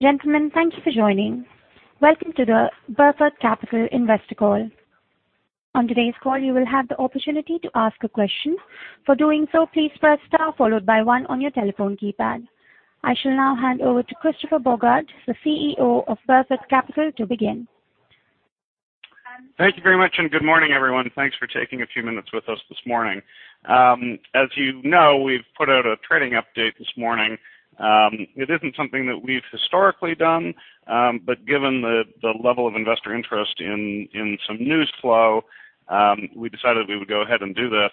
Gentlemen, thank you for joining. Welcome to the Burford Capital Investor Call. On today's call, you will have the opportunity to ask a question. For doing so, please press star followed by one on your telephone keypad. I shall now hand over to Christopher Bogart, the CEO of Burford Capital, to begin. Thank you very much. Good morning, everyone. Thanks for taking a few minutes with us this morning. As you know, we've put out a trading update this morning. It isn't something that we've historically done, but given the level of investor interest in some news flow, we decided we would go ahead and do this,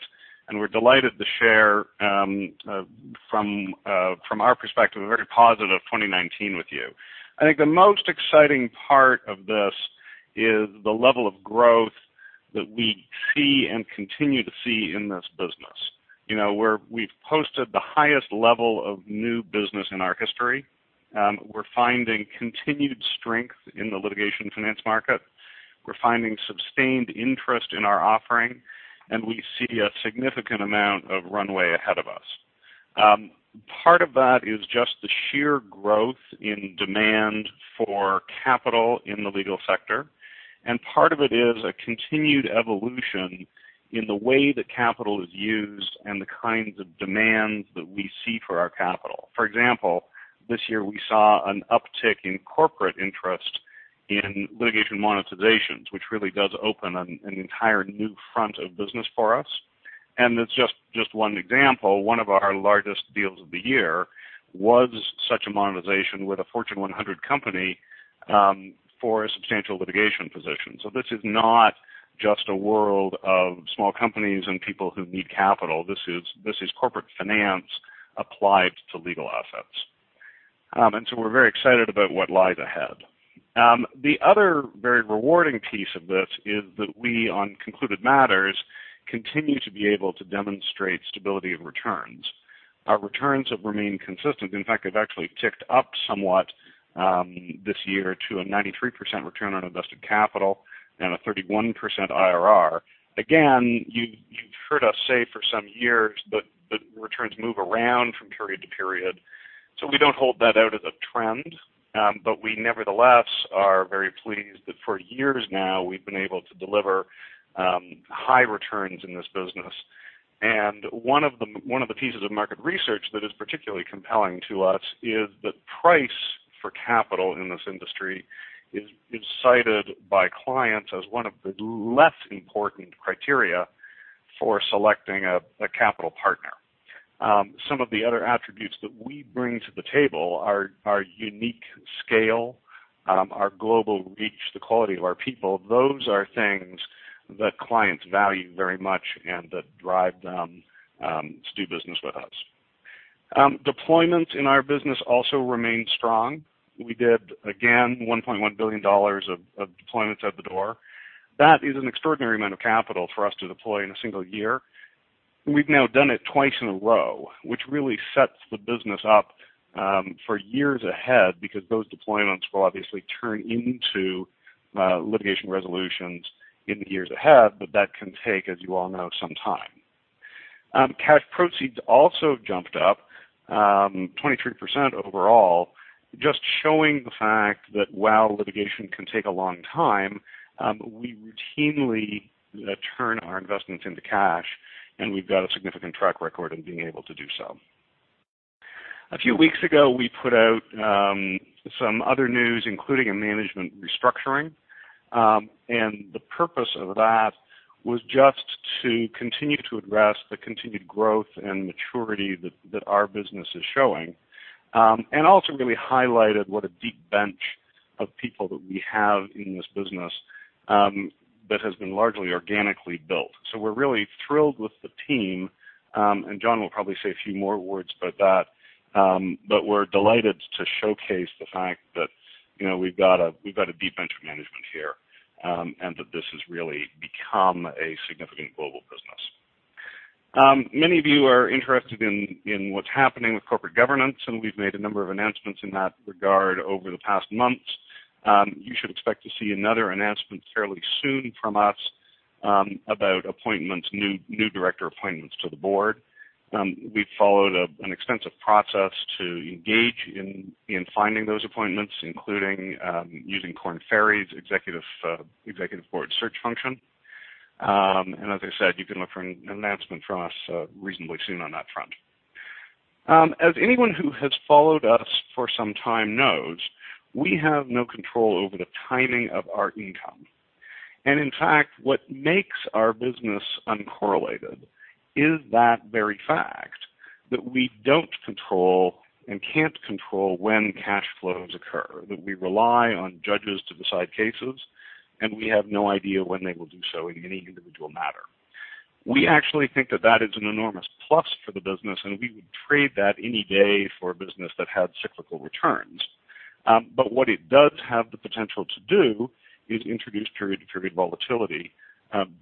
and we're delighted to share from our perspective, a very positive 2019 with you. I think the most exciting part of this is the level of growth that we see and continue to see in this business. We've posted the highest level of new business in our history. We're finding continued strength in the litigation finance market. We're finding sustained interest in our offering, and we see a significant amount of runway ahead of us. Part of that is just the sheer growth in demand for capital in the legal sector, and part of it is a continued evolution in the way that capital is used and the kinds of demands that we see for our capital. For example, this year we saw an uptick in corporate interest in corporate monetizations, which really does open an entire new front of business for us. It's just one example. One of our largest deals of the year was such a monetization with a Fortune 100 company, for a substantial litigation position. This is not just a world of small companies and people who need capital. This is corporate finance applied to legal assets. We're very excited about what lies ahead. The other very rewarding piece of this is that we, on concluded matters, continue to be able to demonstrate stability of returns. Our returns have remained consistent. They've actually ticked up somewhat, this year to a 93% return on invested capital and a 31% IRR. Again, you've heard us say for some years that returns move around from period to period. We don't hold that out as a trend. We nevertheless are very pleased that for years now we've been able to deliver high returns in this business. One of the pieces of market research that is particularly compelling to us is that price for capital in this industry is cited by clients as one of the less important criteria for selecting a capital partner. Some of the other attributes that we bring to the table are our unique scale, our global reach, the quality of our people. Those are things that clients value very much and that drive them to do business with us. Deployment in our business also remained strong. We did, again, $1.1 billion of deployments out the door. That is an extraordinary amount of capital for us to deploy in a single year. We've now done it twice in a row, which really sets the business up for years ahead because those deployments will obviously turn into litigation resolutions in the years ahead. That can take, as you all know, some time. Cash proceeds also have jumped up, 23% overall, just showing the fact that while litigation can take a long time, we routinely turn our investments into cash, and we've got a significant track record of being able to do so. A few weeks ago, we put out some other news, including a management restructuring. The purpose of that was just to continue to address the continued growth and maturity that our business is showing, and also really highlighted what a deep bench of people that we have in this business, that has been largely organically built. We're really thrilled with the team, and Jon will probably say a few more words about that. We're delighted to showcase the fact that we've got a deep bench of management here, and that this has really become a significant global business. Many of you are interested in what's happening with corporate governance, and we've made a number of announcements in that regard over the past months. You should expect to see another announcement fairly soon from us about new director appointments to the board. We've followed an extensive process to engage in finding those appointments, including using Korn Ferry's executive board search function. As I said, you can look for an announcement from us reasonably soon on that front. As anyone who has followed us for some time knows, we have no control over the timing of our income. In fact, what makes our business uncorrelated is that very fact that we don't control and can't control when cash flows occur, that we rely on judges to decide cases, and we have no idea when they will do so in any individual matter. We actually think that that is an enormous plus for the business, and we would trade that any day for a business that had cyclical returns. What it does have the potential to do is introduce period-to-period volatility,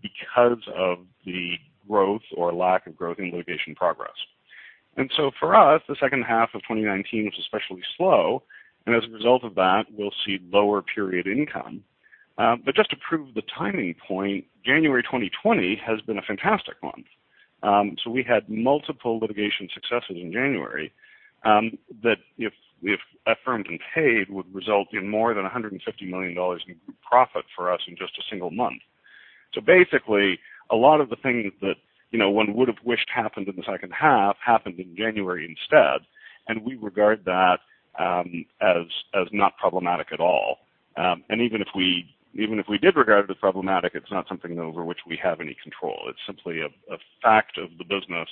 because of the growth or lack of growth in litigation progress. For us, the second half of 2019 was especially slow, and as a result of that, we'll see lower period income. Just to prove the timing point, January 2020 has been a fantastic month. We had multiple litigation successes in January, that if affirmed and paid, would result in more than $150 million in profit for us in just a single month. Basically, a lot of the things that one would've wished happened in the second half happened in January instead, and we regard that as not problematic at all. Even if we did regard it as problematic, it's not something over which we have any control. It's simply a fact of the business,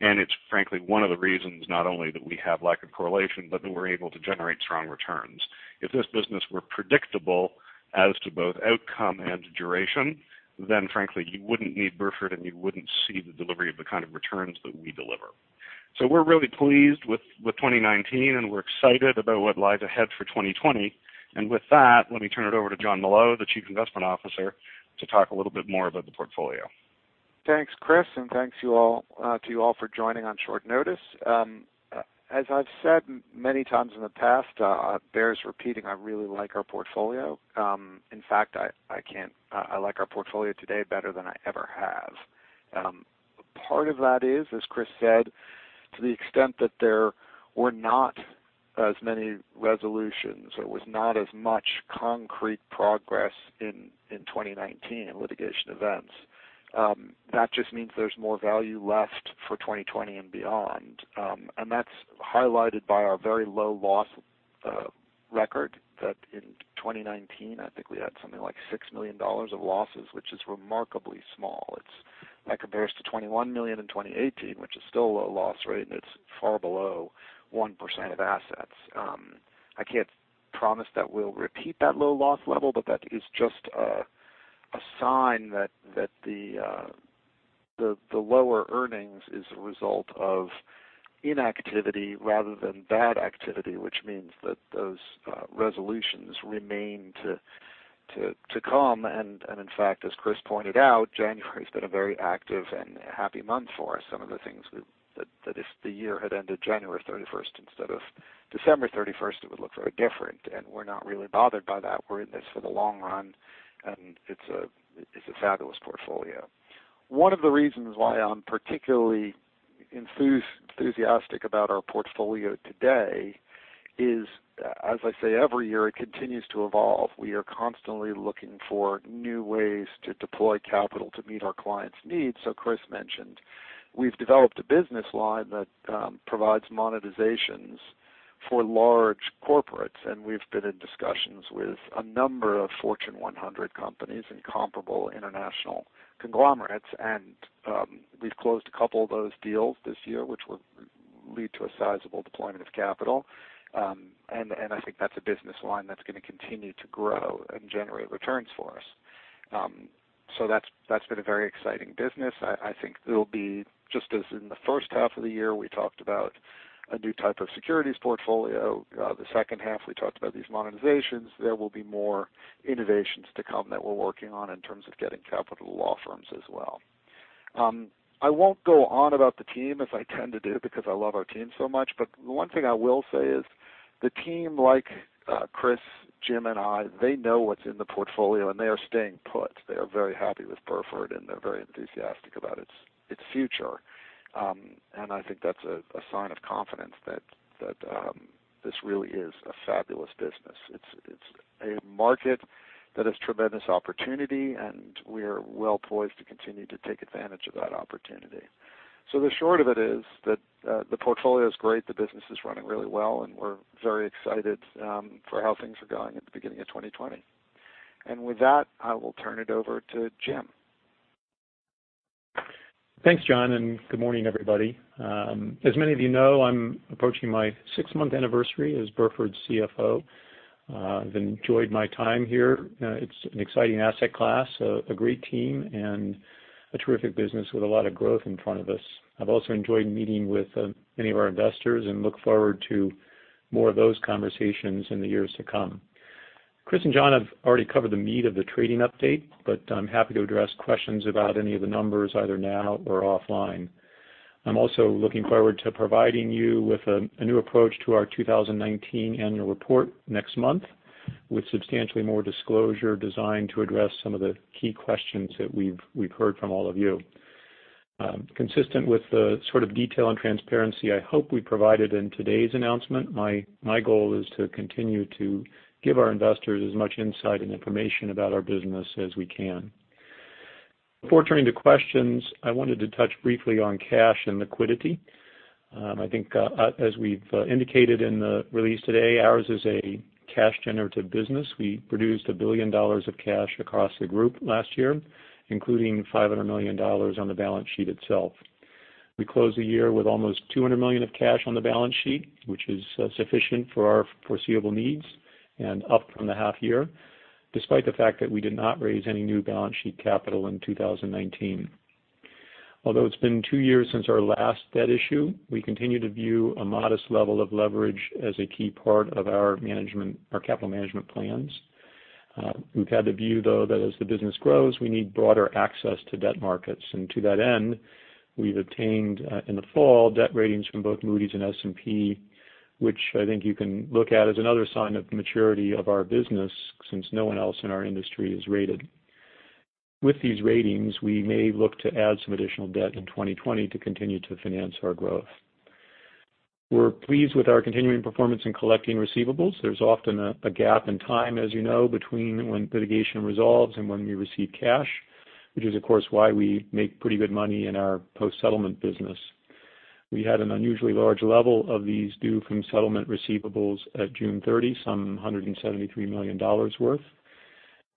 and it's frankly one of the reasons, not only that we have lack of correlation, but that we're able to generate strong returns. If this business were predictable as to both outcome and duration, then frankly, you wouldn't need Burford and you wouldn't see the delivery of the kind of returns that we deliver. We're really pleased with 2019, and we're excited about what lies ahead for 2020. With that, let me turn it over to Jon Molot, the Chief Investment Officer, to talk a little bit more about the portfolio. Thanks, Chris. Thanks to you all for joining on short notice. As I've said many times in the past, it bears repeating, I really like our portfolio. In fact, I like our portfolio today better than I ever have. Part of that is, as Chris said, to the extent that there were not as many resolutions, there was not as much concrete progress in 2019 in litigation events. That just means there's more value left for 2020 and beyond. That's highlighted by our very low loss record, that in 2019, I think we had something like $6 million of losses, which is remarkably small. That compares to $21 million in 2018, which is still a low loss rate, and it's far below 1% of assets. I can't promise that we'll repeat that low loss level, but that is just a sign that the lower earnings is a result of inactivity rather than bad activity, which means that those resolutions remain to come. In fact, as Chris pointed out, January's been a very active and happy month for us. Some of the things that if the year had ended January 31st instead of December 31st, it would look very different, and we're not really bothered by that. We're in this for the long run, and it's a fabulous portfolio. One of the reasons why I'm particularly enthusiastic about our portfolio today is, as I say every year, it continues to evolve. We are constantly looking for new ways to deploy capital to meet our clients' needs. Chris mentioned we've developed a business line that provides monetizations for large corporates, and we've been in discussions with a number of Fortune 100 companies and comparable international conglomerates. We've closed a couple of those deals this year, which will lead to a sizable deployment of capital. I think that's a business line that's going to continue to grow and generate returns for us. That's been a very exciting business. I think there'll be, just as in the first half of the year, we talked about a new type of securities portfolio. The second half, we talked about these monetizations. There will be more innovations to come that we're working on in terms of getting capital to law firms as well. I won't go on about the team as I tend to do because I love our team so much. The one thing I will say is the team, like Chris, Jim, and I, they know what's in the portfolio and they are staying put. They are very happy with Burford, and they're very enthusiastic about its future. I think that's a sign of confidence that this really is a fabulous business. It's a market that has tremendous opportunity, and we're well poised to continue to take advantage of that opportunity. The short of it is that the portfolio is great, the business is running really well, and we're very excited for how things are going at the beginning of 2020. With that, I will turn it over to Jim. Thanks, Jon. Good morning, everybody. As many of you know, I'm approaching my six-month anniversary as Burford's CFO. I've enjoyed my time here. It's an exciting asset class, a great team, and a terrific business with a lot of growth in front of us. I've also enjoyed meeting with many of our investors and look forward to more of those conversations in the years to come. Chris and Jon have already covered the meat of the trading update. I'm happy to address questions about any of the numbers, either now or offline. I'm also looking forward to providing you with a new approach to our 2019 annual report next month, with substantially more disclosure designed to address some of the key questions that we've heard from all of you. Consistent with the sort of detail and transparency I hope we provided in today's announcement, my goal is to continue to give our investors as much insight and information about our business as we can. Before turning to questions, I wanted to touch briefly on cash and liquidity. I think as we've indicated in the release today, ours is a cash generative business. We produced $1 billion of cash across the group last year, including $500 million on the balance sheet itself. We closed the year with almost $200 million of cash on the balance sheet, which is sufficient for our foreseeable needs and up from the half year, despite the fact that we did not raise any new balance sheet capital in 2019. Although it's been two years since our last debt issue, we continue to view a modest level of leverage as a key part of our capital management plans. We've had the view, though, that as the business grows, we need broader access to debt markets. To that end, we've obtained, in the fall, debt ratings from both Moody's and S&P, which I think you can look at as another sign of the maturity of our business, since no one else in our industry is rated. With these ratings, we may look to add some additional debt in 2020 to continue to finance our growth. We're pleased with our continuing performance in collecting receivables. There's often a gap in time, as you know, between when litigation resolves and when we receive cash, which is, of course, why we make pretty good money in our post-settlement business. We had an unusually large level of these due-from-settlement receivables at June 30, some $173 million worth.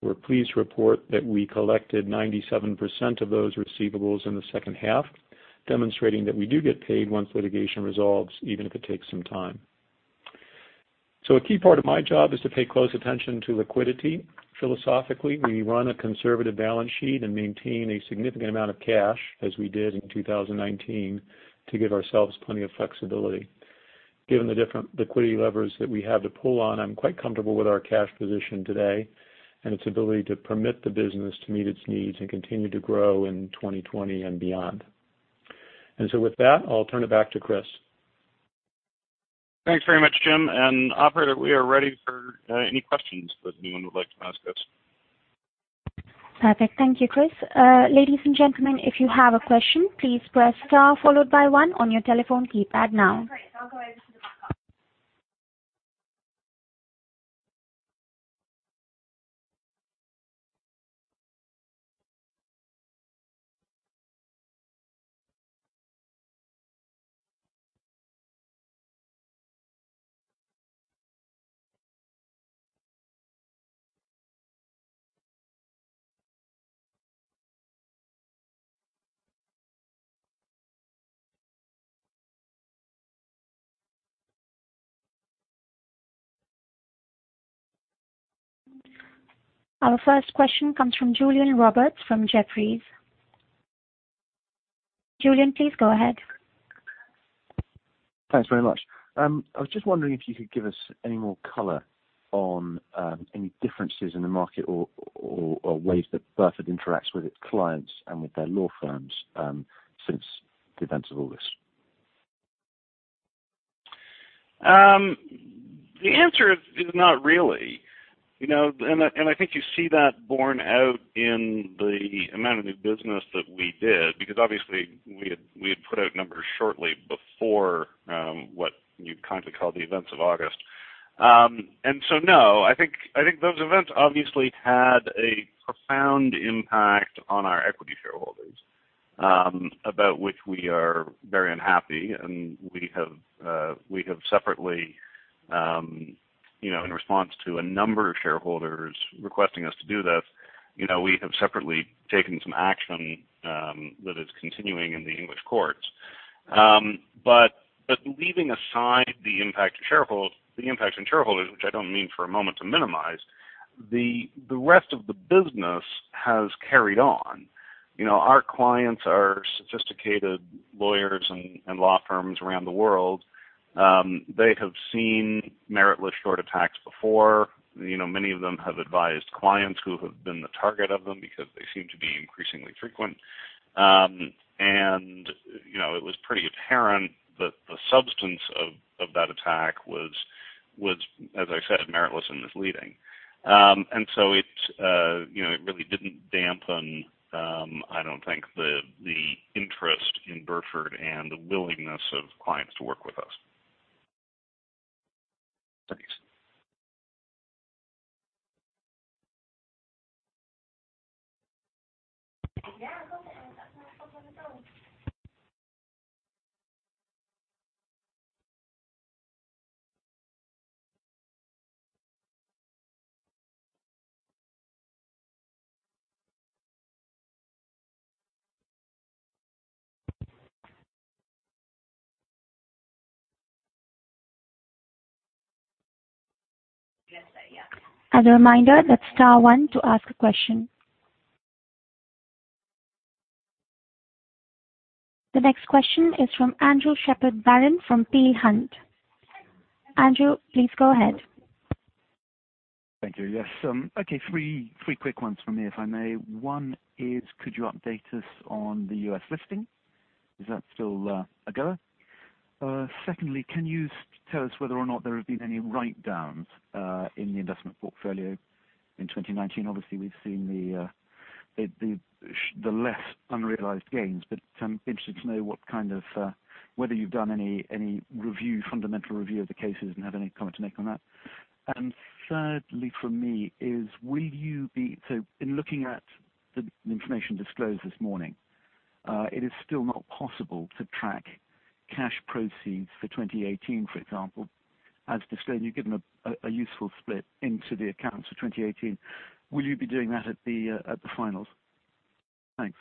We're pleased to report that we collected 97% of those receivables in the second half, demonstrating that we do get paid once litigation resolves, even if it takes some time. A key part of my job is to pay close attention to liquidity. Philosophically, we run a conservative balance sheet and maintain a significant amount of cash, as we did in 2019, to give ourselves plenty of flexibility. Given the different liquidity levers that we have to pull on, I'm quite comfortable with our cash position today and its ability to permit the business to meet its needs and continue to grow in 2020 and beyond. With that, I'll turn it back to Chris. Thanks very much, Jim. Operator, we are ready for any questions that anyone would like to ask us. Perfect. Thank you, Chris. Ladies and gentlemen, if you have a question, please press star followed by one on your telephone keypad now. Our first question comes from Julian Roberts from Jefferies. Julian, please go ahead. Thanks very much. I was just wondering if you could give us any more color on any differences in the market or ways that Burford interacts with its clients and with their law firms since the events of August. The answer is not really. I think you see that borne out in the amount of new business that we did, because obviously we had put out numbers shortly before what you'd kindly call the events of August. No, I think those events obviously had a profound impact on our equity shareholders, about which we are very unhappy. We have separately, in response to a number of shareholders requesting us to do this, we have separately taken some action that is continuing in the English courts. Leaving aside the impact on shareholders, which I don't mean for a moment to minimize, the rest of the business has carried on. Our clients are sophisticated lawyers and law firms around the world. They have seen meritless short attacks before. Many of them have advised clients who have been the target of them because they seem to be increasingly frequent. It was pretty apparent that the substance of that attack was, as I said, meritless and misleading. It really didn't dampen, I don't think, the interest in Burford and the willingness of clients to work with us. Thanks. As a reminder, that's star one to ask a question. The next question is from Andrew Shepherd-Barron from Peel Hunt. Andrew, please go ahead. Thank you. Yes. Okay, three quick ones from me, if I may. One is, could you update us on the U.S. listing? Is that still a goer? Secondly, can you tell us whether or not there have been any write-downs in the investment portfolio in 2019? Obviously, we've seen the less unrealized gains, but I'm interested to know whether you've done any fundamental review of the cases and have any comment to make on that. Thirdly from me is, in looking at the information disclosed this morning, it is still not possible to track cash proceeds for 2018, for example. As disclosed, you've given a useful split into the accounts for 2018. Will you be doing that at the finals? Thanks.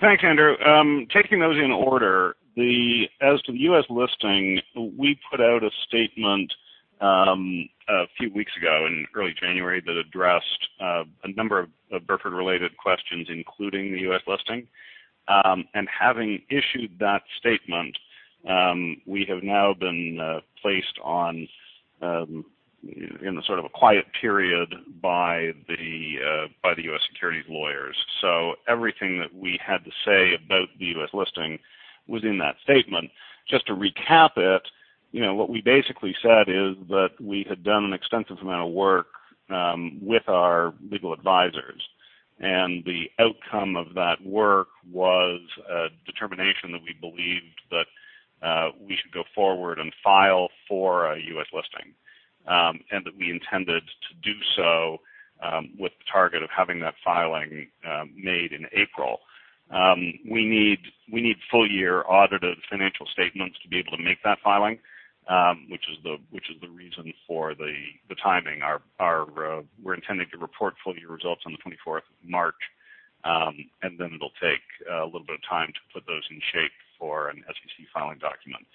Thanks, Andrew. Taking those in order, as to the U.S. listing, we put out a statement a few weeks ago in early January that addressed a number of Burford-related questions, including the U.S. listing. Having issued that statement, we have now been placed in a sort of a quiet period by the U.S. securities lawyers. Everything that we had to say about the U.S. listing was in that statement. Just to recap it, what we basically said is that we had done an extensive amount of work with our legal advisors, and the outcome of that work was a determination that we believed that we should go forward and file for a U.S. listing, and that we intended to do so with the target of having that filing made in April. We need full-year audited financial statements to be able to make that filing, which is the reason for the timing. We're intending to report full-year results on the 24th of March, and then it'll take a little bit of time to put those in shape for an SEC filing document.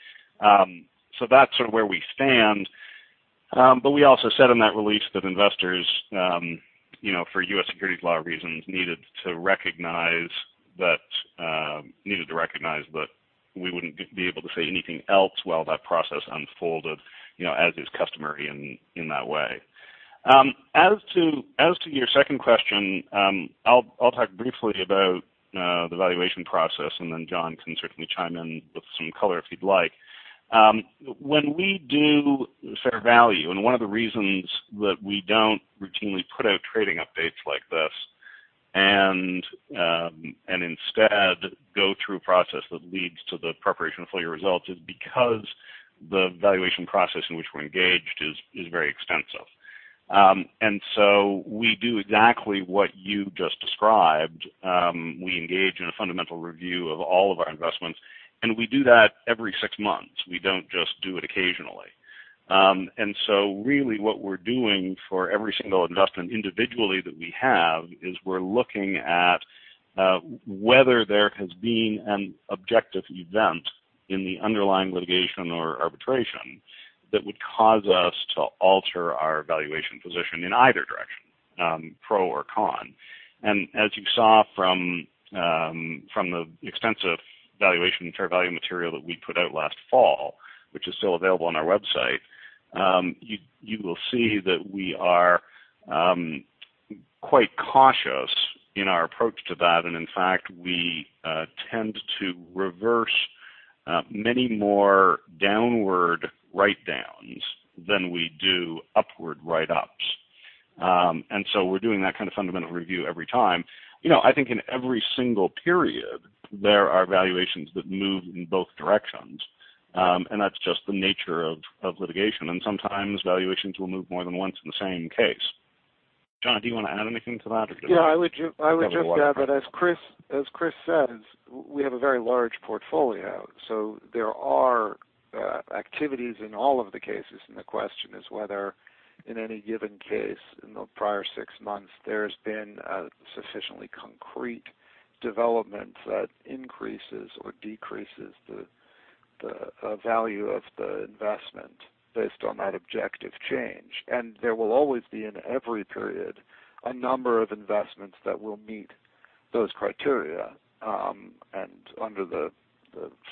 That's sort of where we stand. We also said in that release that investors, for U.S. securities law reasons, needed to recognize that we wouldn't be able to say anything else while that process unfolded, as is customary in that way. As to your second question, I'll talk briefly about the valuation process, and Jon can certainly chime in with some color if he'd like. When we do fair value, one of the reasons that we don't routinely put out trading updates like this and instead go through a process that leads to the preparation of full year results is because the valuation process in which we're engaged is very extensive. We do exactly what you just described. We engage in a fundamental review of all of our investments, and we do that every six months. We don't just do it occasionally. Really what we're doing for every single investment individually that we have is we're looking at whether there has been an objective event in the underlying litigation or arbitration that would cause us to alter our valuation position in either direction, pro or con. As you saw from the extensive valuation fair value material that we put out last fall, which is still available on our website, you will see that we are quite cautious in our approach to that. In fact, we tend to reverse many more downward write-downs than we do upward write-ups. So we're doing that kind of fundamental review every time. I think in every single period, there are valuations that move in both directions. That's just the nature of litigation. Sometimes valuations will move more than once in the same case. Jon, do you want to add anything to that or do you want- Yeah, I would just add that as Chris said, we have a very large portfolio. There are activities in all of the cases, and the question is whether in any given case in the prior six months there has been a sufficiently concrete development that increases or decreases the value of the investment based on that objective change. There will always be, in every period, a number of investments that will meet those criteria. Under the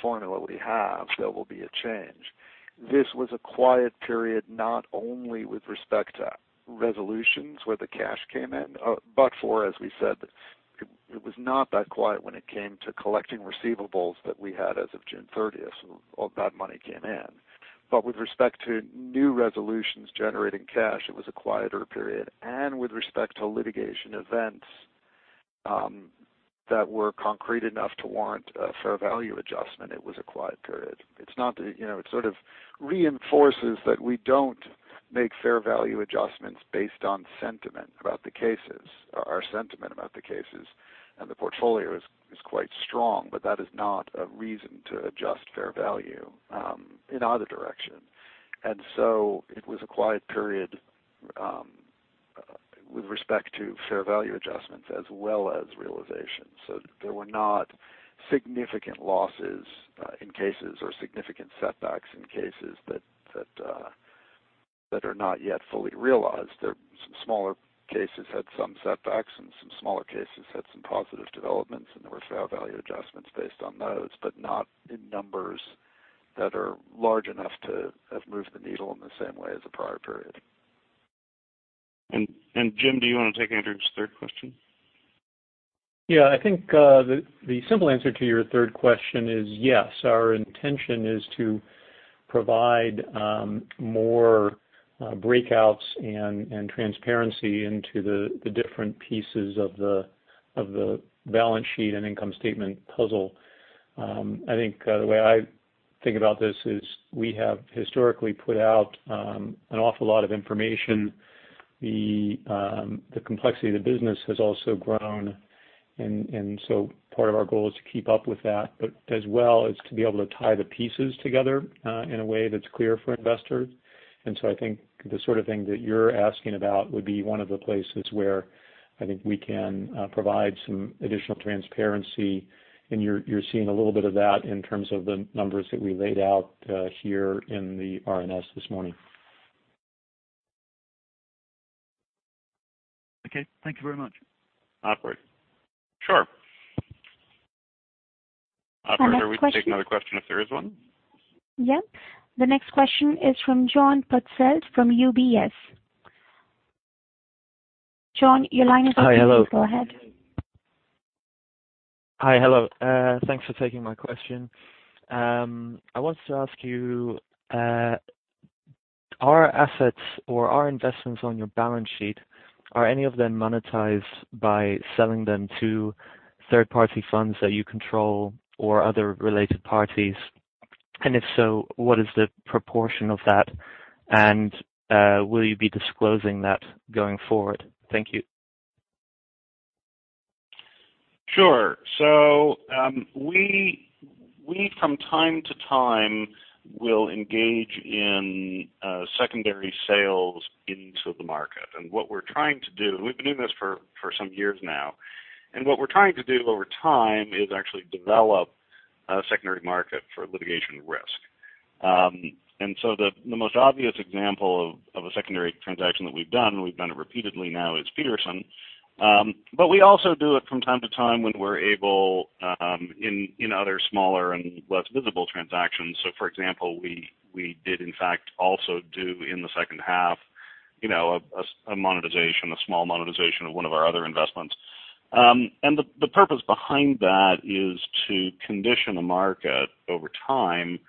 formula we have, there will be a change. This was a quiet period, not only with respect to resolutions where the cash came in. For, as we said, it was not that quiet when it came to collecting receivables that we had as of June 30th. All that money came in. With respect to new resolutions generating cash, it was a quieter period. With respect to litigation events that were concrete enough to warrant a fair value adjustment, it was a quiet period. It sort of reinforces that we don't make fair value adjustments based on sentiment about the cases. Our sentiment about the cases and the portfolio is quite strong, but that is not a reason to adjust fair value in either direction. It was a quiet period with respect to fair value adjustments as well as realization. There were not significant losses in cases or significant setbacks in cases that are not yet fully realized. Some smaller cases had some setbacks, and some smaller cases had some positive developments, and there were fair value adjustments based on those, but not in numbers that are large enough to have moved the needle in the same way as the prior period. Jim, do you want to take Andrew's third question? I think the simple answer to your third question is yes. Our intention is to provide more breakouts and transparency into the different pieces of the balance sheet and income statement puzzle. I think the way I think about this is we have historically put out an awful lot of information. The complexity of the business has also grown, and so part of our goal is to keep up with that, but as well is to be able to tie the pieces together in a way that's clear for investors. I think the sort of thing that you're asking about would be one of the places where I think we can provide some additional transparency, and you're seeing a little bit of that in terms of the numbers that we laid out here in the RNS this morning. Okay. Thank you very much. Sure. Another question. Operator, we can take another question if there is one. Yeah. The next question is from John [inaudible] from UBS. John, your line is open. You can go ahead. Hi. Hello. Thanks for taking my question. I wanted to ask you, our assets or our investments on your balance sheet, are any of them monetized by selling them to third-party funds that you control or other related parties? If so, what is the proportion of that, and will you be disclosing that going forward? Thank you. Sure. We, from time to time, will engage in secondary sales into the market. We've been doing this for some years now, and what we're trying to do over time is actually develop a secondary market for litigation risk. The most obvious example of a secondary transaction that we've done, and we've done it repeatedly now, is Petersen. We also do it from time to time when we're able in other smaller and less visible transactions. For example, we did in fact also do in the second half, a small monetization of one of our other investments. The purpose behind that is to condition a market over time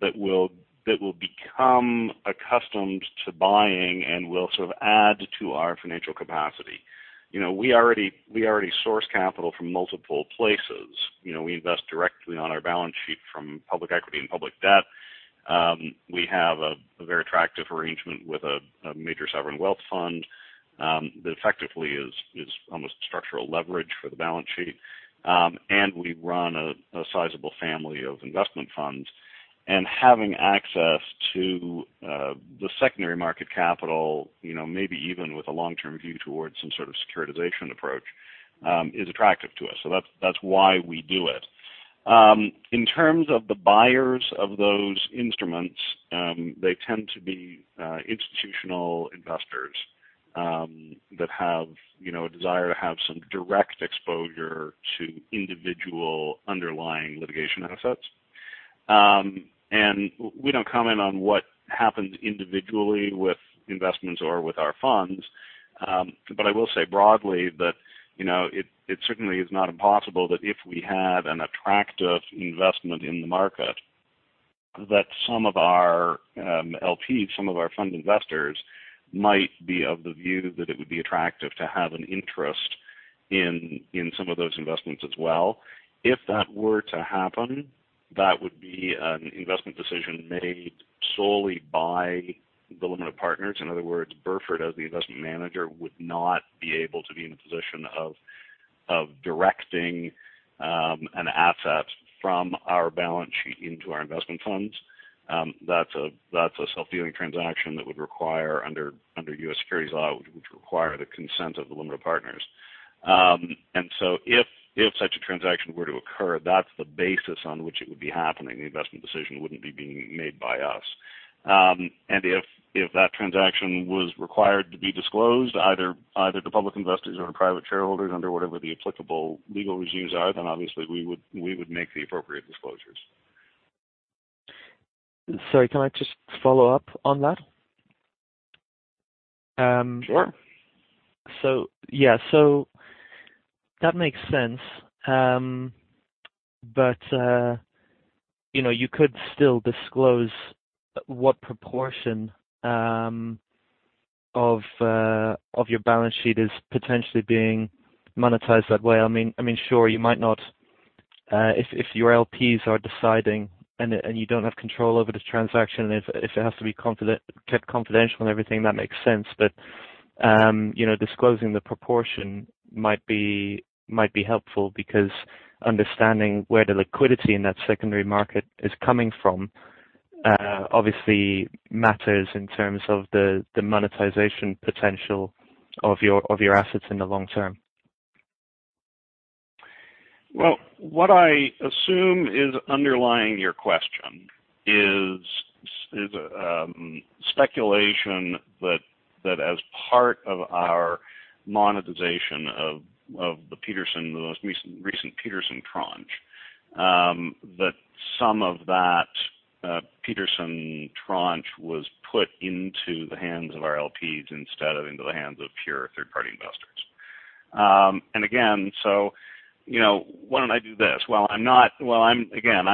that will become accustomed to buying and will sort of add to our financial capacity. We already source capital from multiple places. We invest directly on our balance sheet from public equity and public debt. We have a very attractive arrangement with a major sovereign wealth fund, that effectively is almost structural leverage for the balance sheet. We run a sizable family of investment funds and having access to the secondary market capital, maybe even with a long-term view towards some sort of securitization approach, is attractive to us. That's why we do it. In terms of the buyers of those instruments, they tend to be institutional investors, that have a desire to have some direct exposure to individual underlying litigation assets. We don't comment on what happens individually with investments or with our funds. I will say broadly that it certainly is not impossible that if we had an attractive investment in the market, that some of our LPs, some of our fund investors, might be of the view that it would be attractive to have an interest in some of those investments as well. If that were to happen, that would be an investment decision made solely by the limited partners. In other words, Burford, as the investment manager, would not be able to be in a position of directing an asset from our balance sheet into our investment funds. That's a self-dealing transaction that would require, under U.S. securities law, which would require the consent of the limited partners. If such a transaction were to occur, that's the basis on which it would be happening. The investment decision wouldn't be being made by us. If that transaction was required to be disclosed, either to public investors or to private shareholders under whatever the applicable legal regimes are, then obviously we would make the appropriate disclosures. Sorry, can I just follow up on that? Sure. Yeah. That makes sense. You could still disclose what proportion of your balance sheet is potentially being monetized that way. Sure, if your LPs are deciding and you don't have control over the transaction, and if it has to be kept confidential and everything, that makes sense. Disclosing the proportion might be helpful because understanding where the liquidity in that secondary market is coming from obviously matters in terms of the monetization potential of your assets in the long term. Well, what I assume is underlying your question is speculation that as part of our monetization of the most recent Petersen tranche, that some of that Petersen tranche was put into the hands of our LPs instead of into the hands of pure third-party investors. Again, why don't I do this? Well, again,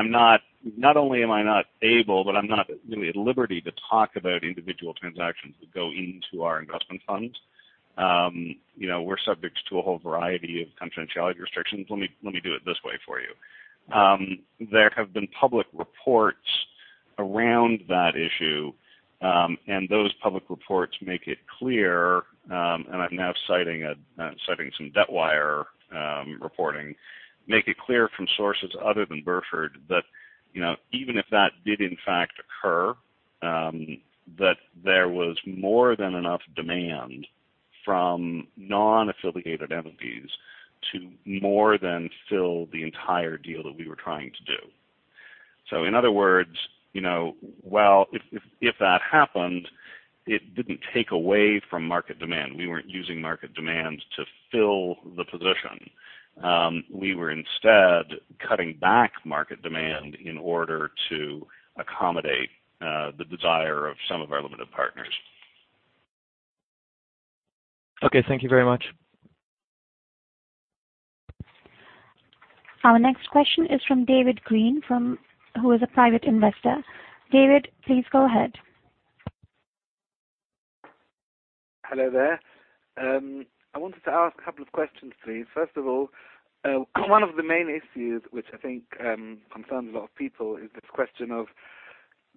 not only am I not able, but I'm not really at liberty to talk about individual transactions that go into our investment funds. We're subject to a whole variety of confidentiality restrictions. Let me do it this way for you. There have been public reports around that issue, and those public reports make it clear, and I'm now citing some Debtwire reporting, make it clear from sources other than Burford that even if that did in fact occur, that there was more than enough demand from non-affiliated LPs to more than fill the entire deal that we were trying to do. In other words, while if that happened, it didn't take away from market demand. We weren't using market demand to fill the position. We were instead cutting back market demand in order to accommodate the desire of some of our limited partners. Okay, thank you very much. Our next question is from David Green, who is a private investor. David, please go ahead. Hello there. I wanted to ask a couple of questions, please. First of all, one of the main issues which I think concerns a lot of people is this question of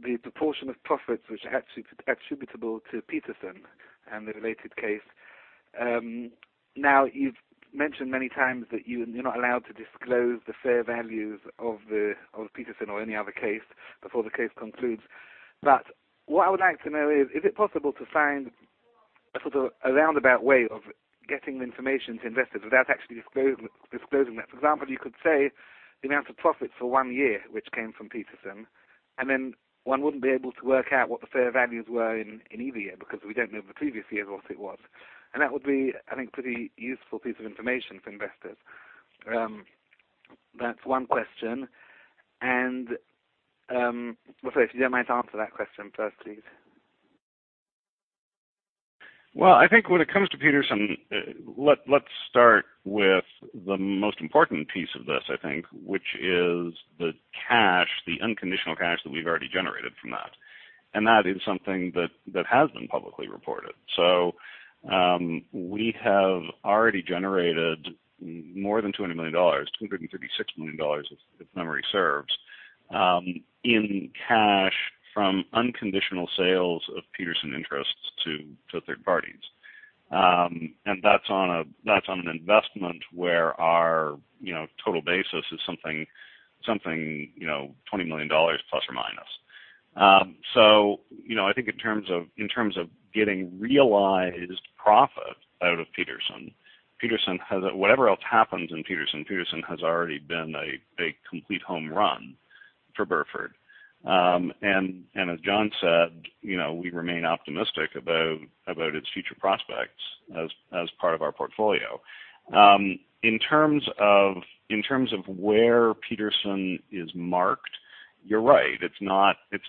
the proportion of profits which are actually attributable to Petersen and the related case. Now, you've mentioned many times that you're not allowed to disclose the fair values of Petersen or any other case before the case concludes. What I would like to know is it possible to find a sort of roundabout way of getting the information to investors without actually disclosing that? For example, you could say the amount of profits for one year, which came from Petersen, and then one wouldn't be able to work out what the fair values were in any year, because we don't know the previous years what it was. That would be, I think, pretty useful piece of information for investors. That's one question. Well, sorry, if you don't mind to answer that question first, please. Well, I think when it comes to Petersen, let's start with the most important piece of this, I think, which is the unconditional cash that we've already generated from that. That is something that has been publicly reported. We have already generated more than $20 million, $256 million, if memory serves, in cash from unconditional sales of Petersen interests to third parties. That's on an investment where our total basis is something $20 million plus or minus. I think in terms of getting realized profit out of Petersen, whatever else happens in Petersen has already been a big, complete home run for Burford. As Jon said, we remain optimistic about its future prospects as part of our portfolio. In terms of where Petersen is marked, you're right. It's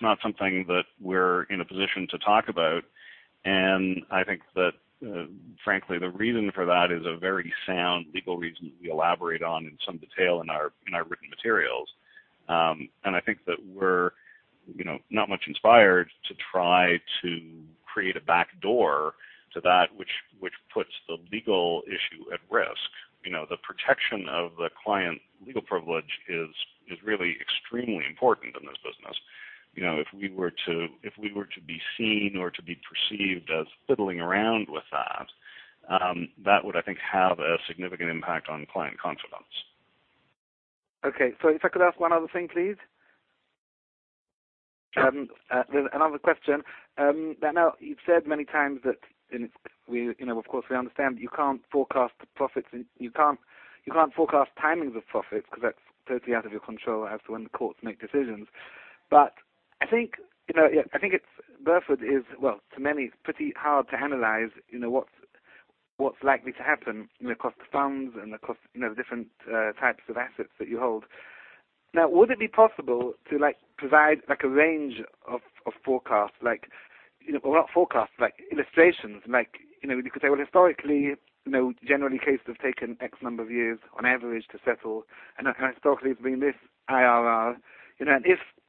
not something that we're in a position to talk about. I think that frankly, the reason for that is a very sound legal reason that we elaborate on in some detail in our written materials. I think that we're not much inspired to try to create a backdoor to that which puts the legal issue at risk. The protection of the client legal privilege is really extremely important in this business. If we were to be seen or to be perceived as fiddling around with that, that would, I think, have a significant impact on client confidence. Okay. If I could ask one other thing, please. Sure. There's another question. You've said many times that, of course, we understand you can't forecast the profits, and you can't forecast timings of profits because that's totally out of your control as to when the courts make decisions. I think Burford is, well, to many, it's pretty hard to analyze what's likely to happen across the funds and across different types of assets that you hold. Would it be possible to provide a range of forecasts, or not forecasts, like illustrations. You could say, well, historically, generally, cases have taken X number of years on average to settle, and historically, it's been this IRR.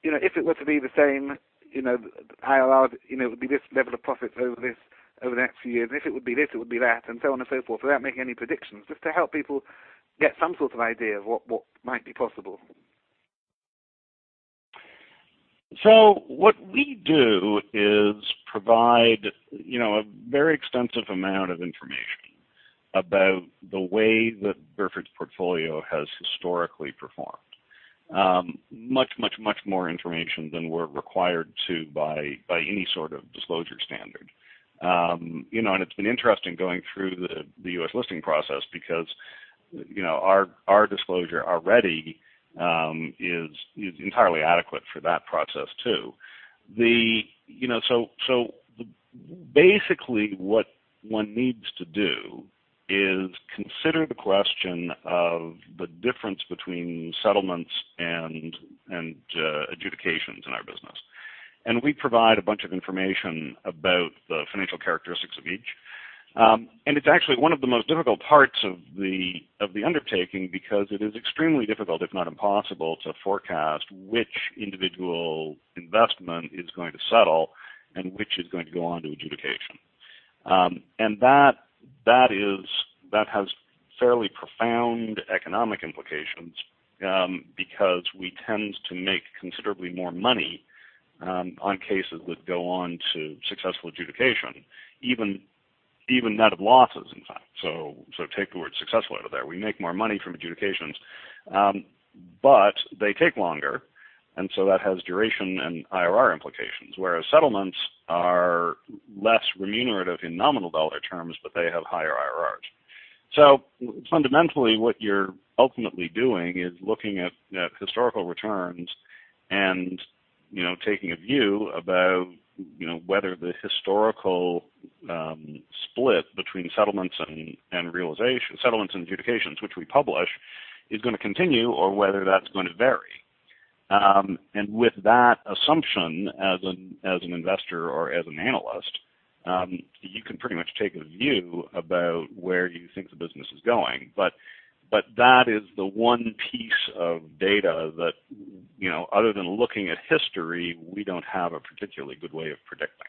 If it were to be the same IRR, it would be this level of profits over the next few years. If it would be this, it would be that, and so on and so forth, without making any predictions. Just to help people get some sort of idea of what might be possible. What we do is provide a very extensive amount of information about the way that Burford's portfolio has historically performed. Much more information than we're required to by any sort of disclosure standard. It's been interesting going through the U.S. listing process because our disclosure already is entirely adequate for that process, too. Basically, what one needs to do is consider the question of the difference between settlements and adjudications in our business. We provide a bunch of information about the financial characteristics of each. It's actually one of the most difficult parts of the undertaking because it is extremely difficult, if not impossible, to forecast which individual investment is going to settle and which is going to go on to adjudication. That has fairly profound economic implications, because we tend to make considerably more money on cases that go on to successful adjudication, even net of losses, in fact. Take the word successful out of there. We make more money from adjudications. They take longer, and so that has duration and IRR implications. Whereas settlements are less remunerative in nominal dollar terms, but they have higher IRRs. Fundamentally, what you're ultimately doing is looking at historical returns and taking a view about whether the historical split between settlements and adjudications, which we publish, is going to continue or whether that's going to vary. With that assumption as an investor or as an analyst, you can pretty much take a view about where you think the business is going. That is the one piece of data that, other than looking at history, we don't have a particularly good way of predicting.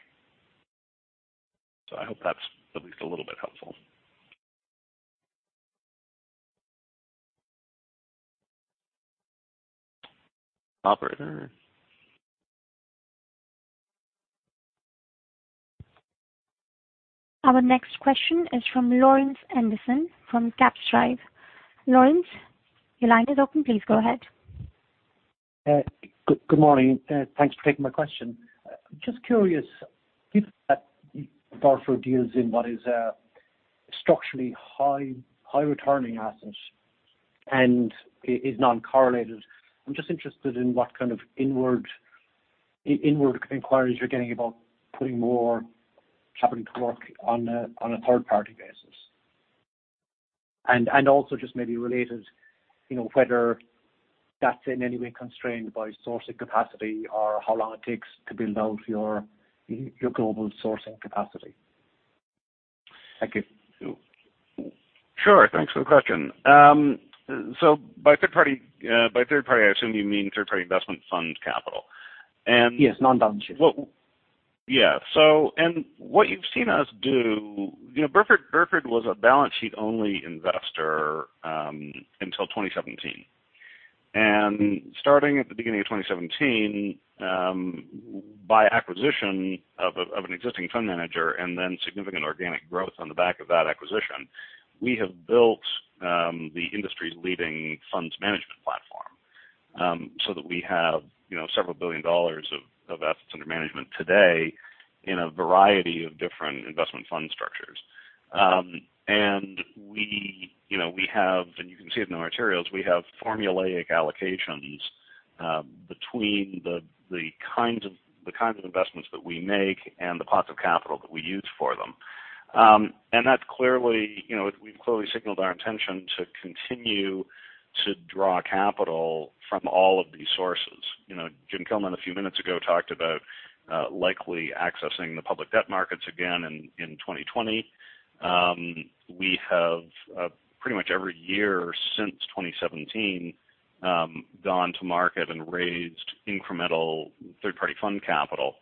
I hope that's at least a little bit helpful. Operator? Our next question is from Laurence Endersen from Capstrive. Laurence, your line is open. Please go ahead. Good morning. Thanks for taking my question. Just curious, given that Burford deals in what is a structurally high returning assets and is non-correlated, I'm just interested in what kind of inward inquiries you're getting about putting more capital to work on a third-party basis. Also just maybe related, whether that's in any way constrained by sourcing capacity or how long it takes to build out your global sourcing capacity. Thank you. Sure. Thanks for the question. By third party, I assume you mean third-party investment fund capital. Yes, non-balance sheet. Yeah. What you've seen us do, Burford was a balance sheet only investor until 2017. Starting at the beginning of 2017, by acquisition of an existing fund manager and then significant organic growth on the back of that acquisition, we have built the industry's leading funds management platform, so that we have several billion dollars of assets under management today in a variety of different investment fund structures. We have, and you can see it in our materials, we have formulaic allocations between the kinds of investments that we make and the pots of capital that we use for them. We've clearly signaled our intention to continue to draw capital from all of these sources. Jim Kilman, a few minutes ago, talked about likely accessing the public debt markets again in 2020. We have pretty much every year since 2017, gone to market and raised incremental third-party fund capital.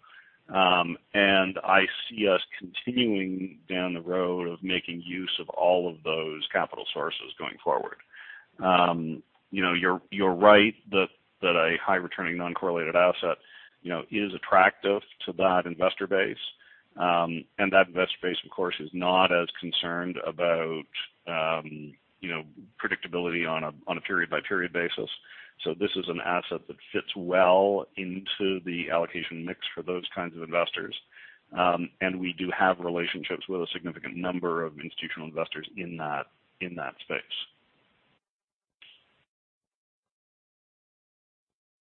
I see us continuing down the road of making use of all of those capital sources going forward. You're right that a high returning non-correlated asset is attractive to that investor base. That investor base, of course, is not as concerned about predictability on a period-by-period basis. This is an asset that fits well into the allocation mix for those kinds of investors. We do have relationships with a significant number of institutional investors in that space.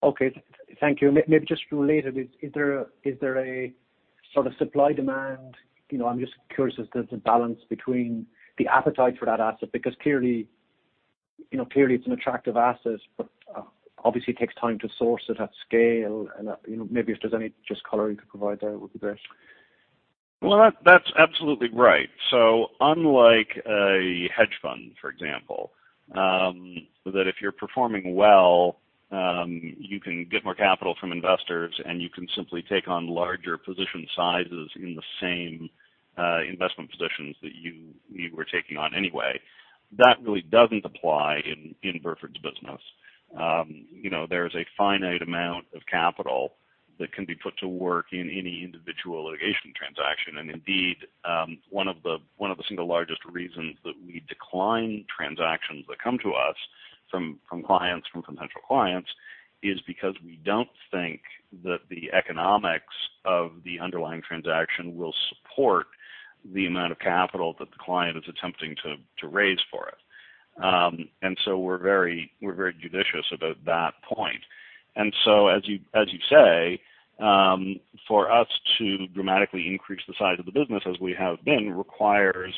Okay, thank you. Just related, is there a sort of supply-demand? I'm just curious if there's a balance between the appetite for that asset, because clearly it's an attractive asset, but obviously it takes time to source it at scale and maybe if there's any just color you could provide there would be great. Well, that's absolutely right. Unlike a hedge fund, for example, that if you're performing well, you can get more capital from investors and you can simply take on larger position sizes in the same investment positions that you were taking on anyway. That really doesn't apply in Burford's business. There's a finite amount of capital that can be put to work in any individual litigation transaction. Indeed, one of the single largest reasons that we decline transactions that come to us from potential clients is because we don't think that the economics of the underlying transaction will support the amount of capital that the client is attempting to raise for it. We're very judicious about that point. As you say, for us to dramatically increase the size of the business as we have been requires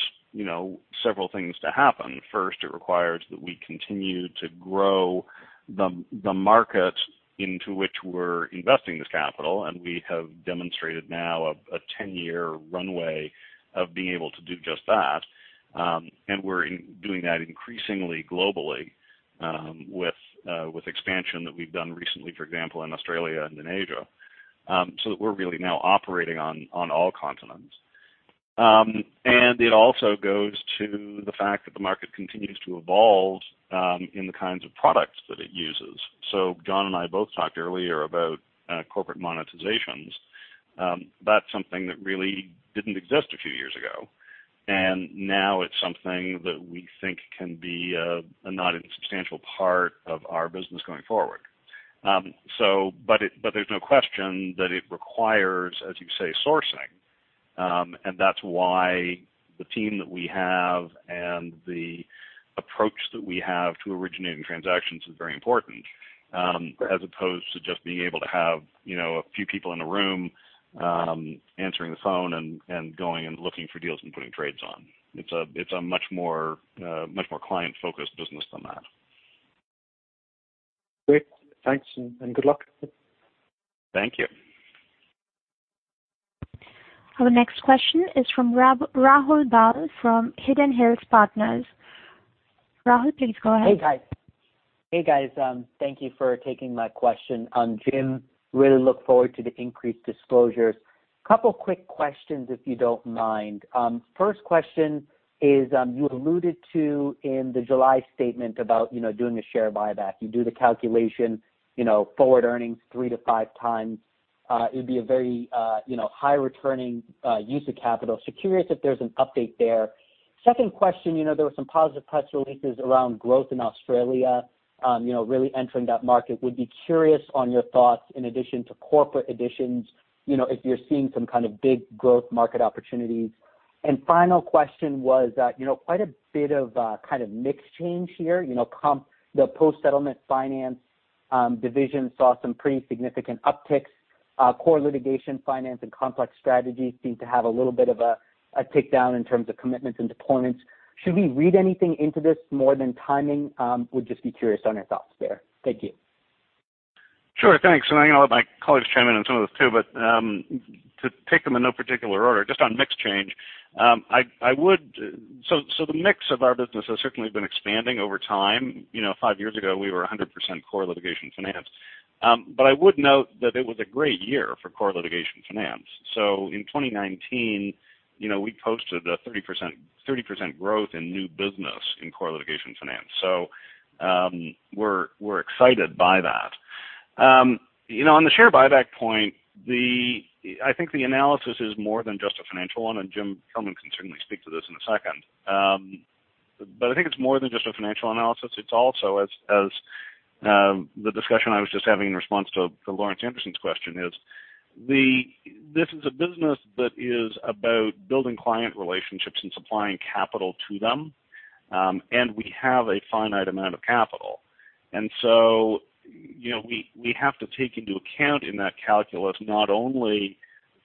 several things to happen. First, it requires that we continue to grow the market into which we're investing this capital, and we have demonstrated now a 10-year runway of being able to do just that. We're doing that increasingly globally, with expansion that we've done recently, for example, in Australia and in Asia, so that we're really now operating on all continents. It also goes to the fact that the market continues to evolve in the kinds of products that it uses. Jon and I both talked earlier about corporate monetizations. That's something that really didn't exist a few years ago, and now it's something that we think can be a not insubstantial part of our business going forward. There's no question that it requires, as you say, sourcing. That's why the team that we have and the approach that we have to originating transactions is very important. As opposed to just being able to have a few people in a room, answering the phone and going and looking for deals and putting trades on. It's a much more client-focused business than that. Great. Thanks, and good luck. Thank you. Our next question is from Rahul Bahl from Hidden Hills Partners. Rahul, please go ahead. Hey, guys. Thank you for taking my question. Jim, really look forward to the increased disclosures. Couple quick questions, if you don't mind. First question is, you alluded to in the July statement about doing a share buyback. You do the calculation, forward earnings three to five times, it'd be a very high returning use of capital. Curious if there's an update there. Second question, there were some positive press releases around growth in Australia, really entering that market. Would be curious on your thoughts, in addition to corporate additions, if you're seeing some kind of big growth market opportunities. Final question was that quite a bit of kind of mix change here. The post-settlement finance division saw some pretty significant upticks. core litigation finance and complex strategies seem to have a little bit of a take-down in terms of commitments and deployments. Should we read anything into this more than timing? Would just be curious on your thoughts there. Thank you. Sure. Thanks. I know my colleagues chime in on some of those too, to take them in no particular order, just on mix change. The mix of our business has certainly been expanding over time. Five years ago, we were 100% core litigation finance. I would note that it was a great year for core litigation finance. In 2019, we posted a 30% growth in new business in core litigation finance. We're excited by that. On the share buyback point, I think the analysis is more than just a financial one, Jim Kilman can certainly speak to this in a second. I think it's more than just a financial analysis. It's also as the discussion I was just having in response to Laurence Endersen's question is, this is a business that is about building client relationships and supplying capital to them and we have a finite amount of capital. We have to take into account in that calculus not only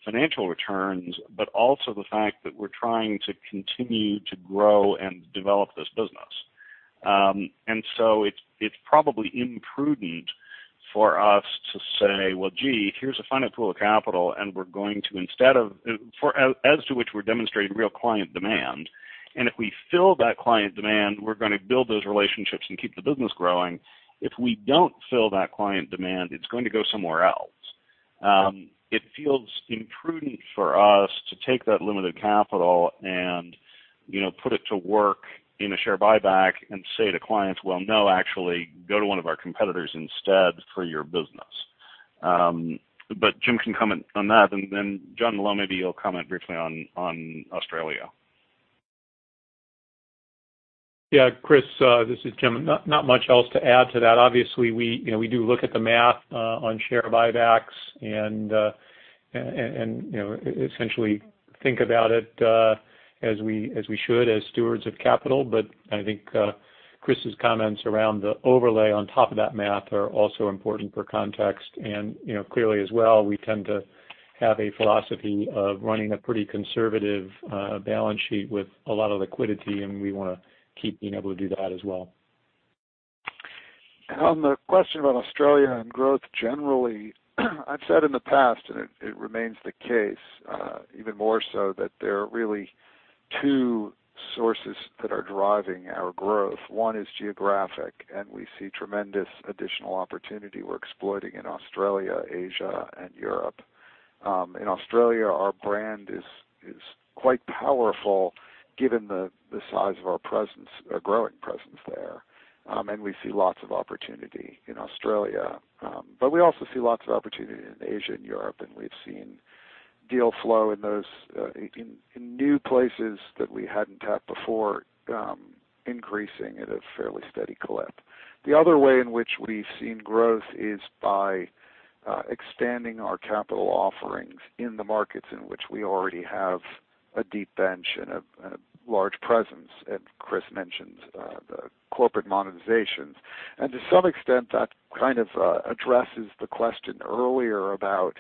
financial returns, but also the fact that we're trying to continue to grow and develop this business. It's probably imprudent for us to say, "Well, gee, here's a finite pool of capital, and we're going to instead of-- as to which we're demonstrating real client demand. If we fill that client demand, we're going to build those relationships and keep the business growing. If we don't fill that client demand, it's going to go somewhere else." It feels imprudent for us to take that limited capital and put it to work in a share buyback and say to clients, "Well, no, actually, go to one of our competitors instead for your business." Jim can comment on that Jon Molot, maybe you'll comment briefly on Australia. Yeah, Chris, this is Jim. Not much else to add to that. Obviously, we do look at the math on share buybacks and essentially think about it, as we should, as stewards of capital. I think Chris' comments around the overlay on top of that math are also important for context. Clearly as well, we tend to have a philosophy of running a pretty conservative balance sheet with a lot of liquidity, and we want to keep being able to do that as well. On the question about Australia and growth generally, I've said in the past, and it remains the case, even more so, that there are really two sources that are driving our growth. One is geographic. We see tremendous additional opportunity we're exploiting in Australia, Asia and Europe. In Australia, our brand is quite powerful given the size of our growing presence there. We see lots of opportunity in Australia. We also see lots of opportunity in Asia and Europe, and we've seen deal flow in new places that we hadn't tapped before, increasing at a fairly steady clip. The other way in which we've seen growth is by expanding our capital offerings in the markets in which we already have a deep bench and a large presence. Chris mentioned the corporate monetizations. To some extent, that kind of addresses the question earlier about,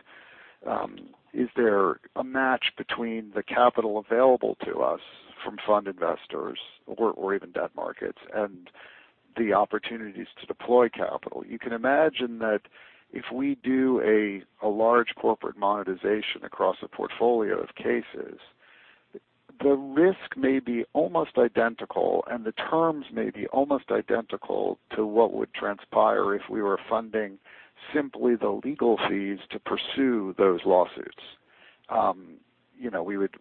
is there a match between the capital available to us from fund investors or even debt markets and the opportunities to deploy capital? You can imagine that if we do a large corporate monetization across a portfolio of cases, the risk may be almost identical, and the terms may be almost identical to what would transpire if we were funding simply the legal fees to pursue those lawsuits.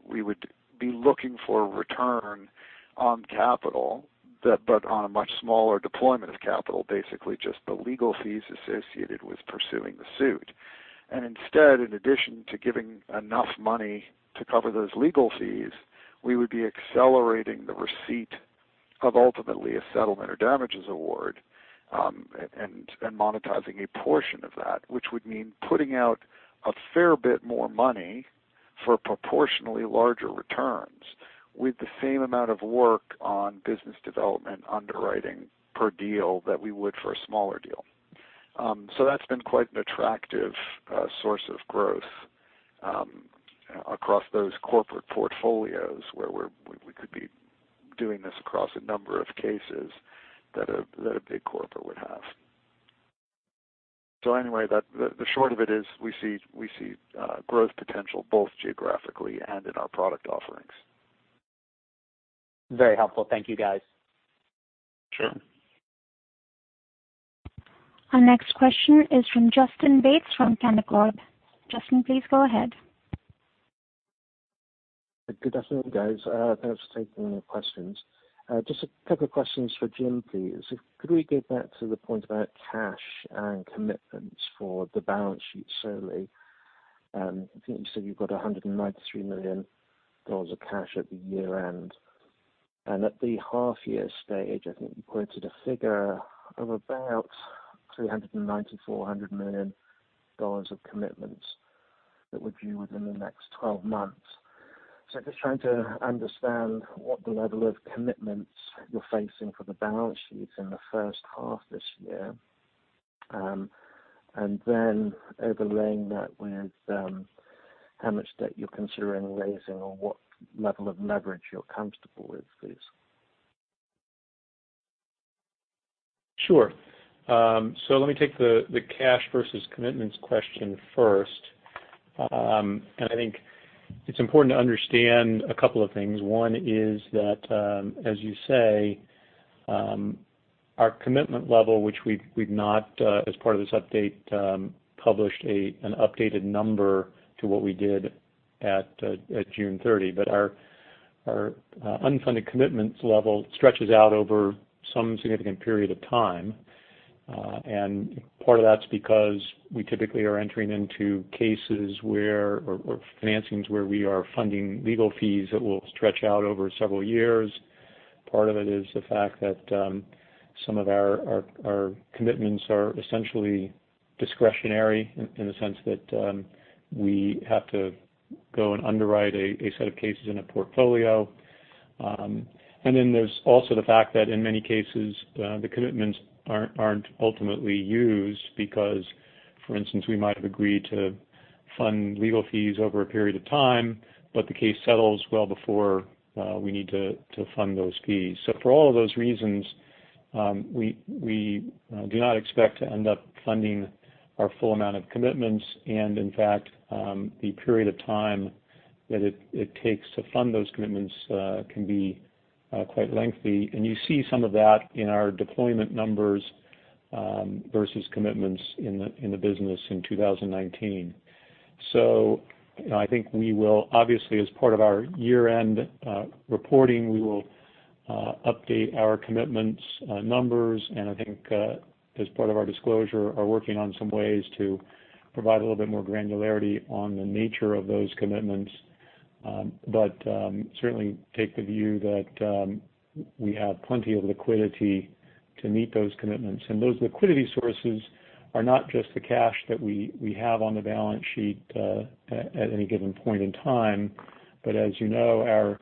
We would be looking for a return on capital, but on a much smaller deployment of capital, basically just the legal fees associated with pursuing the suit. Instead, in addition to giving enough money to cover those legal fees, we would be accelerating the receipt of ultimately a settlement or damages award, and monetizing a portion of that. Which would mean putting out a fair bit more money for proportionally larger returns with the same amount of work on business development underwriting per deal that we would for a smaller deal. That's been quite an attractive source of growth across those corporate portfolios where we could be doing this across a number of cases that a big corporate would have. Anyway, the short of it is we see growth potential both geographically and in our product offerings. Very helpful. Thank you, guys. Sure. Our next question is from Justin Bates from Canaccord. Justin, please go ahead. Good afternoon, guys. Thanks for taking the questions. Just a couple questions for Jim, please. Could we go back to the point about cash and commitments for the balance sheet solely? I think you said you've got $193 million of cash at the year-end. At the half year stage, I think you quoted a figure of about $390, $400 million of commitments that were due within the next 12 months. Just trying to understand what the level of commitments you're facing for the balance sheets in the first half this year, and then overlaying that with how much debt you're considering raising or what level of leverage you're comfortable with, please. Sure. Let me take the cash versus commitments question first. I think it's important to understand a couple of things. One is that, as you say, our commitment level, which we've not, as part of this update, published an updated number to what we did at June 30. Our unfunded commitments level stretches out over some significant period of time. Part of that's because we typically are entering into cases or financings where we are funding legal fees that will stretch out over several years. Part of it is the fact that some of our commitments are essentially discretionary in the sense that we have to go and underwrite a set of cases in a portfolio. Then there's also the fact that in many cases, the commitments aren't ultimately used because, for instance, we might have agreed to fund legal fees over a period of time, but the case settles well before we need to fund those fees. For all of those reasons, we do not expect to end up funding our full amount of commitments. In fact, the period of time that it takes to fund those commitments can be quite lengthy. You see some of that in our deployment numbers versus commitments in the business in 2019. I think we will obviously, as part of our year-end reporting, we will update our commitments numbers and I think as part of our disclosure, are working on some ways to provide a little bit more granularity on the nature of those commitments. Certainly take the view that we have plenty of liquidity to meet those commitments. Those liquidity sources are not just the cash that we have on the balance sheet at any given point in time. As you know, our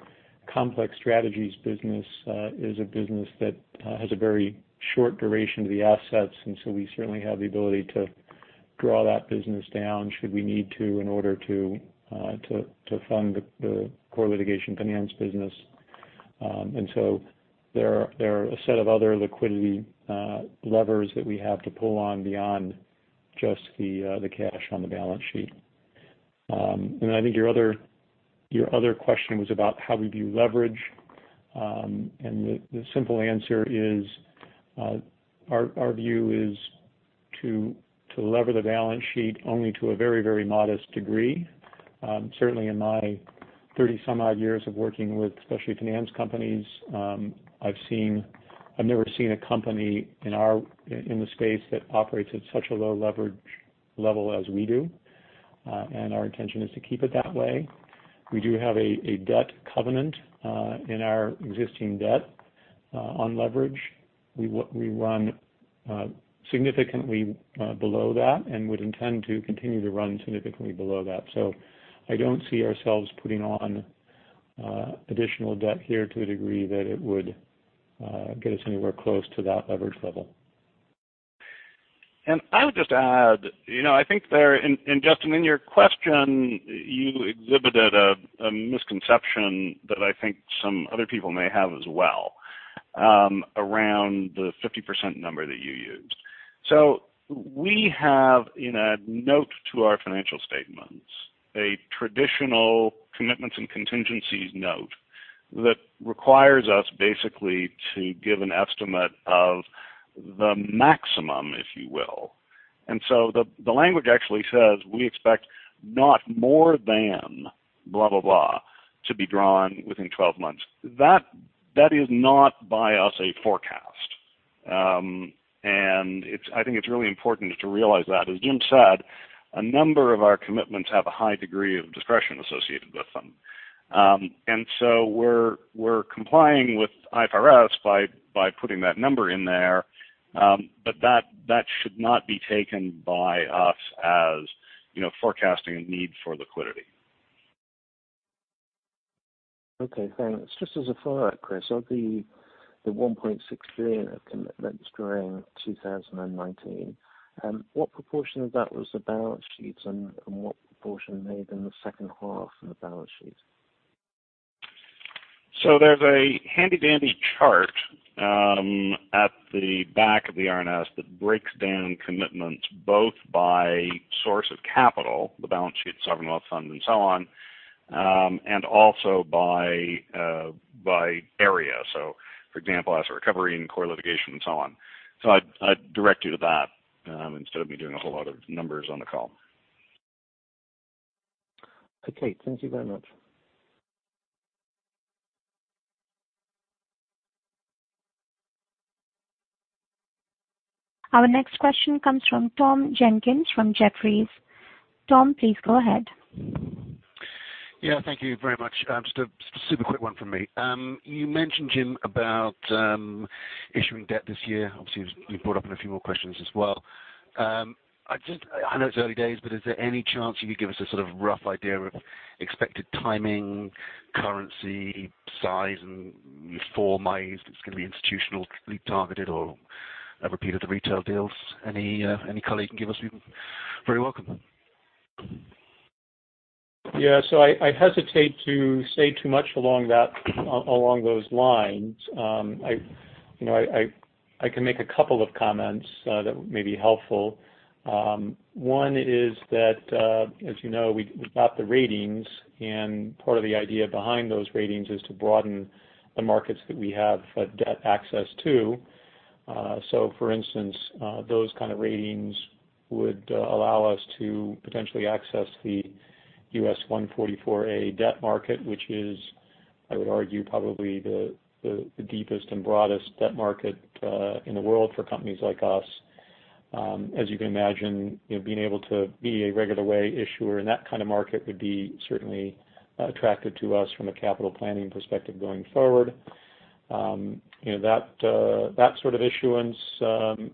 Complex Strategies business is a business that has a very short duration to the assets. We certainly have the ability to draw that business down should we need to in order to fund the Core Litigation Finance business. There are a set of other liquidity levers that we have to pull on beyond just the cash on the balance sheet. I think your other question was about how we view leverage. The simple answer is, our view is to lever the balance sheet only to a very modest degree. Certainly in my 30 some odd years of working with especially finance companies, I've never seen a company in the space that operates at such a low leverage level as we do. Our intention is to keep it that way. We do have a debt covenant in our existing debt on leverage. We run significantly below that and would intend to continue to run significantly below that. I don't see ourselves putting on additional debt here to a degree that it would get us anywhere close to that leverage level. I would just add, I think there, Justin, in your question, you exhibited a misconception that I think some other people may have as well around the 50% number that you used. We have in a note to our financial statements, a traditional commitments and contingencies note that requires us basically to give an estimate of the maximum, if you will. The language actually says we expect not more than blah, blah to be drawn within 12 months. That is not by us a forecast. I think it's really important to realize that. As Jim said, a number of our commitments have a high degree of discretion associated with them. We're complying with IFRS by putting that number in there. That should not be taken by us as forecasting a need for liquidity. Okay, thanks. Just as a follow-up, Chris, of the $1.6 billion of commitments during 2019, what proportion of that was the balance sheets and what proportion made in the second half of the balance sheets? There's a handy-dandy chart at the back of the RNS that breaks down commitments both by source of capital, the balance sheet, sovereign wealth funds, and so on, and also by area. For example, asset recovery and core litigation and so on. I'd direct you to that instead of me doing a whole lot of numbers on the call. Okay. Thank you very much. Our next question comes from Tom Jenkins from Jefferies. Tom, please go ahead. Yeah. Thank you very much. Just a super quick one from me. You mentioned, Jim, about issuing debt this year. Obviously, you brought up in a few more questions as well. I know it's early days, but is there any chance you could give us a sort of rough idea of expected timing, currency, size, and form? Is this going to be institutionally targeted or a repeat of the retail deals? Any color you can give us would be very welcome. Yeah. I hesitate to say too much along those lines. I can make a couple of comments that may be helpful. One is that, as you know, we got the ratings, and part of the idea behind those ratings is to broaden the markets that we have debt access to. For instance, those kind of ratings would allow us to potentially access the U.S. 144A debt market, which is, I would argue, probably the deepest and broadest debt market in the world for companies like us. As you can imagine, being able to be a regular way issuer in that kind of market would be certainly attractive to us from a capital planning perspective going forward. That sort of issuance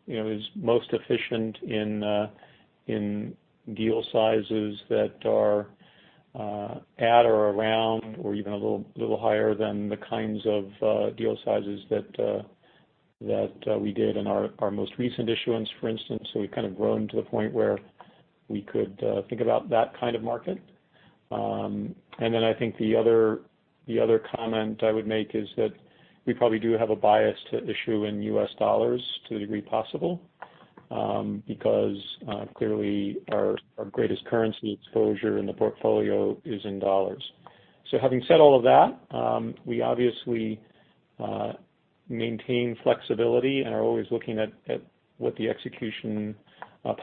is most efficient in deal sizes that are at or around or even a little higher than the kinds of deal sizes that we did in our most recent issuance, for instance. We've kind of grown to the point where we could think about that kind of market. I think the other comment I would make is that we probably do have a bias to issue in U.S. dollars to the degree possible, because clearly our greatest currency exposure in the portfolio is in dollars. Having said all of that, we obviously maintain flexibility and are always looking at what the execution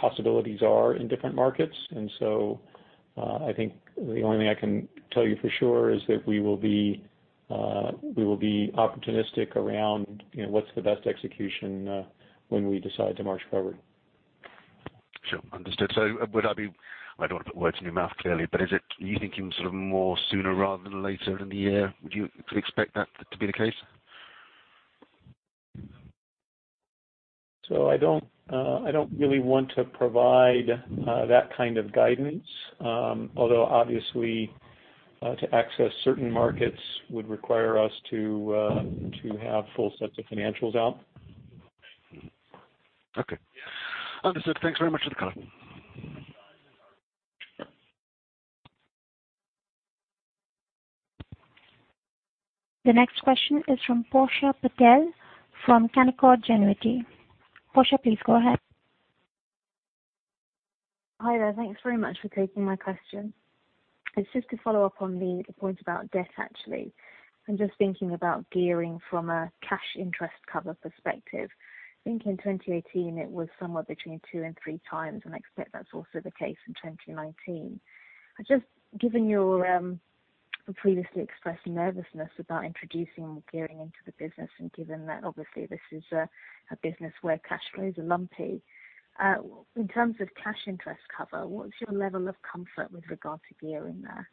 possibilities are in different markets. I think the only thing I can tell you for sure is that we will be opportunistic around what's the best execution when we decide to march forward. Sure. Understood. I don't want to put words in your mouth, clearly, but are you thinking sort of more sooner rather than later in the year? Would you expect that to be the case? I don't really want to provide that kind of guidance. Although obviously, to access certain markets would require us to have full sets of financials out. Okay. Understood. Thanks very much for the call. The next question is from Portia Patel from Canaccord Genuity. Portia, please go ahead. Hi there. Thanks very much for taking my question. It's just to follow up on the point about debt, actually, and just thinking about gearing from a cash interest cover perspective. I think in 2018 it was somewhere between two and three times, and I expect that's also the case in 2019. Just given your previously expressed nervousness about introducing more gearing into the business, and given that obviously this is a business where cash flows are lumpy, in terms of cash interest cover, what's your level of comfort with regard to gearing there?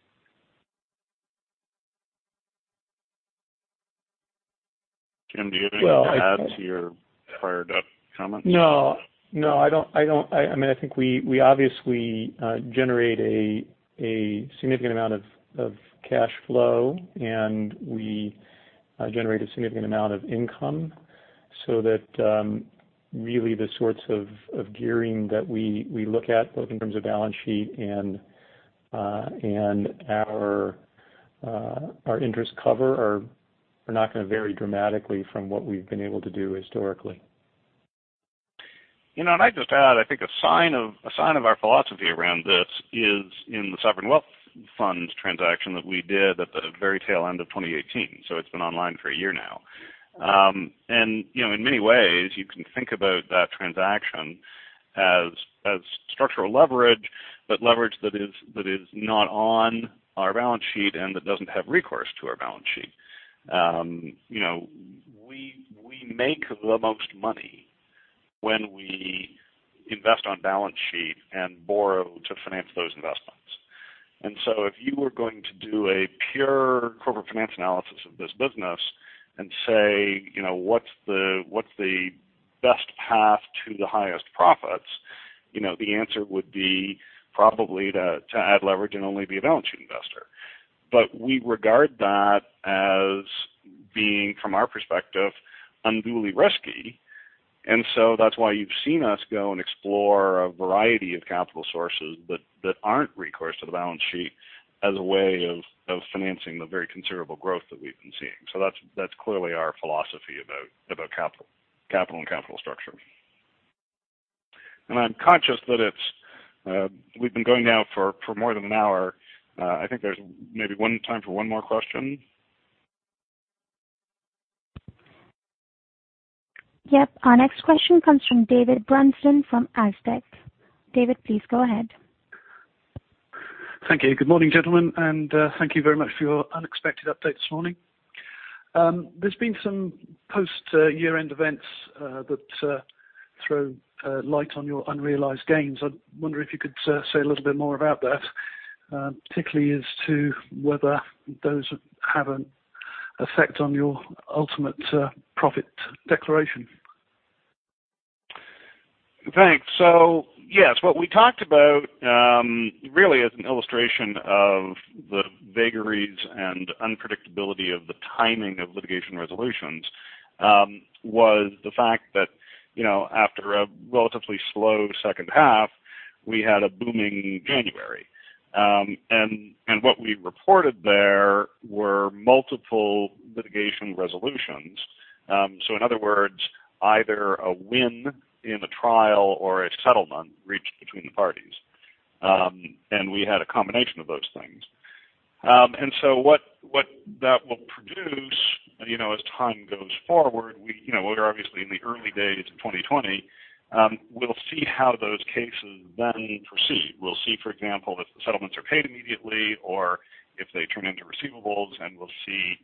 Jim, do you have anything to add to your prior debt comments? No. I think we obviously generate a significant amount of cash flow, and we generate a significant amount of income. That really the sorts of gearing that we look at, both in terms of balance sheet and our interest cover, are not going to vary dramatically from what we've been able to do historically. I'd just add, I think a sign of our philosophy around this is in the sovereign wealth fund transaction that we did at the very tail end of 2018. It's been online for one year now. In many ways, you can think about that transaction as structural leverage, but leverage that is not on our balance sheet and that doesn't have recourse to our balance sheet. We make the most money when we invest on balance sheet and borrow to finance those investments. If you were going to do a pure corporate finance analysis of this business and say, "What's the best path to the highest profits?" the answer would be probably to add leverage and only be a balance sheet investor. We regard that as being, from our perspective, unduly risky. That's why you've seen us go and explore a variety of capital sources that aren't recourse to the balance sheet as a way of financing the very considerable growth that we've been seeing. That's clearly our philosophy about capital and capital structure. I'm conscious that we've been going now for more than an hour. I think there's maybe time for one more question. Yep. Our next question comes from David Brunson from Aztec. David, please go ahead. Thank you. Good morning, gentlemen, and thank you very much for your unexpected update this morning. There's been some post-year-end events that throw light on your unrealized gains. I wonder if you could say a little bit more about that, particularly as to whether those have an effect on your ultimate profit declaration. Thanks. Yes, what we talked about really as an illustration of the vagaries and unpredictability of the timing of litigation resolutions, was the fact that after a relatively slow second half, we had a booming January. What we reported there were multiple litigation resolutions. In other words, either a win in a trial or a settlement reached between the parties. We had a combination of those things. What that will produce as time goes forward, we're obviously in the early days of 2020, we'll see how those cases then proceed. We'll see, for example, if the settlements are paid immediately or if they turn into receivables, and we'll see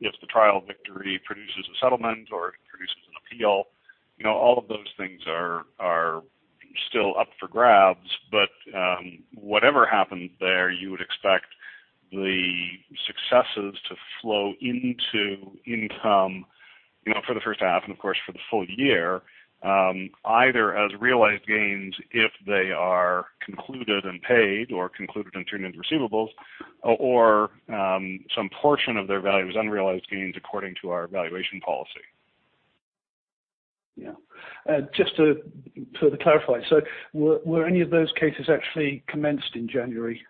if the trial victory produces a settlement or it produces an appeal. All of those things are still up for grabs. Whatever happened there, you would expect the successes to flow into income for the first half and, of course, for the full year, either as realized gains if they are concluded and paid or concluded and turned into receivables, or some portion of their value is unrealized gains according to our valuation policy. Yeah. Just to further clarify, were any of those cases actually commenced in January?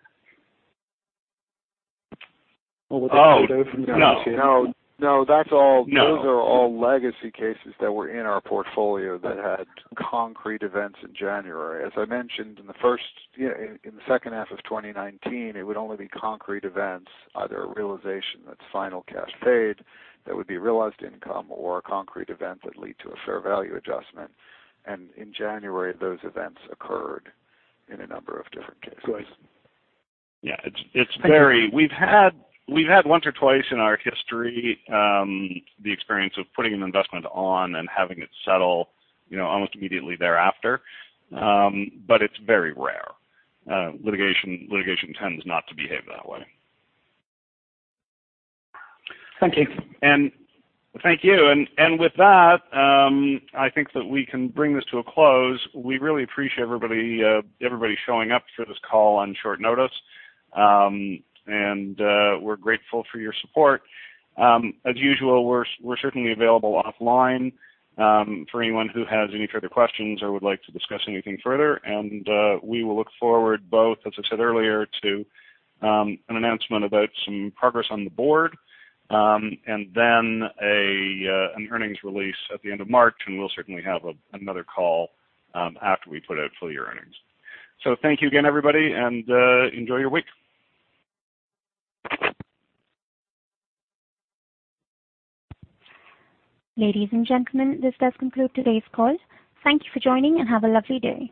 Were they carried over from the previous year? No. No, those are all legacy cases that were in our portfolio that had concrete events in January. As I mentioned in the second half of 2019, it would only be concrete events, either a realization that's final cash paid, that would be realized income or a concrete event that led to a fair value adjustment. In January, those events occurred in a number of different cases. Great. Yeah. We've had once or twice in our history, the experience of putting an investment on and having it settle almost immediately thereafter. It's very rare. Litigation tends not to behave that way. Thank you. Thank you. With that, I think that we can bring this to a close. We really appreciate everybody showing up for this call on short notice, and we're grateful for your support. As usual, we're certainly available offline, for anyone who has any further questions or would like to discuss anything further. We will look forward both, as I said earlier, to an announcement about some progress on the board, and then an earnings release at the end of March, and we'll certainly have another call after we put out full year earnings. Thank you again, everybody, and enjoy your week. Ladies and gentlemen, this does conclude today's call. Thank you for joining, and have a lovely day.